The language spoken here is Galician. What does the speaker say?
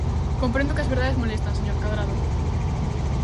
Comprendo que as verdades molestan, señor Cadrado.